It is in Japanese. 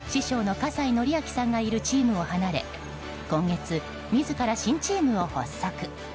８年間所属していた師匠の葛西紀明さんがいるチームを離れ今月、自ら新チームを発足。